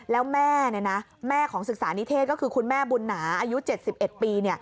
แล้วแม่แม่ของศึกษานิเทศก็คือคุณแม่บุญหนาอายุ๗๑ปี